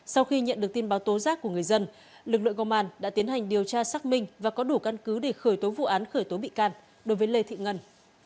sau khi nhận được tin báo tố giác của người dân lực lượng công an đã tiến hành điều tra xác minh và có đủ căn cứ để khởi tố vụ án khởi tố bị can đối với lê thị ngân